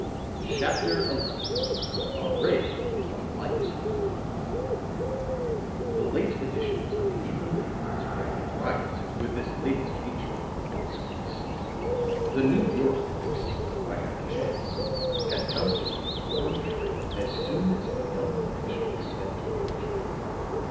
CHAPTER XI A RAY OF LIGHT The late editions of the evening papers ran riot with this latest feature of the Morse case. The New York police, by happy chance, had pounced upon the warm trail as soon as the young Englishman stepped from the train.